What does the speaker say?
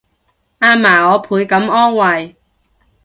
阿嫲我倍感安慰